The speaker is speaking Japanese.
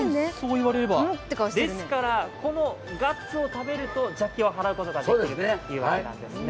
ですからこのガッツを食べると邪気を払うことができるというわけですね。